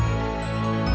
boleh wander penjaja